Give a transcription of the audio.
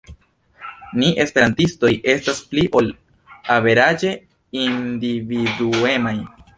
Ni esperantistoj estas pli ol averaĝe individuemaj.